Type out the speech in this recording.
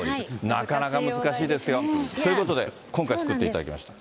なかなか難しいですよ。ということで今回、作っていただきました。